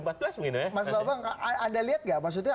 mas bapak anda lihat tidak